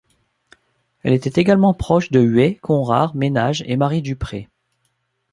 Elle était également proche de Huet, Conrart, Ménage et Marie Dupré.